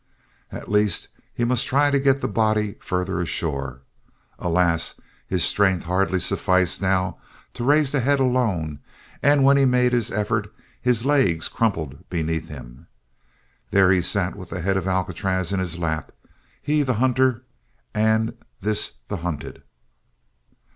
At least, he must try to get the body farther ashore. Alas, his strength hardly sufficed now to raise the head alone and when he made his effort his legs crumpled beneath him. There he sat with the head of Alcatraz in his lap he the hunter and this the hunted!